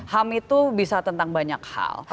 ham itu bisa tentang banyak hal